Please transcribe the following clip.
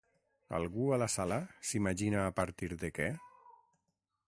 Algú, a la sala, s'imagina a partir de què?